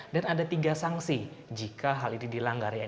dan ada tiga sanksi jika hal ini dilanggar